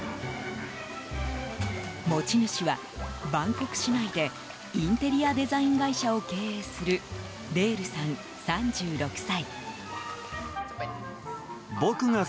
持ち主は、バンコク市内でインテリアデザイン会社を経営するデールさん、３６歳。